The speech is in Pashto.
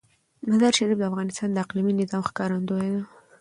مزارشریف د افغانستان د اقلیمي نظام ښکارندوی ده.